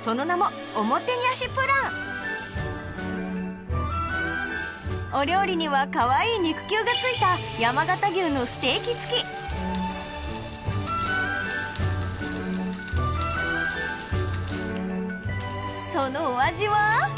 その名も「おもてにゃしプラン」お料理にはかわいい肉球がついた山形牛のステーキ付きそのお味は？